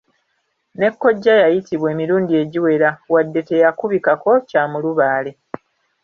Ne kkojja yayitibwa emirundi egiwera, wadde teyakubikako kya mulubaale.